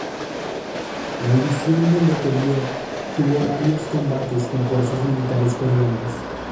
La división de Letelier tuvo varios combates con fuerzas militares peruanas.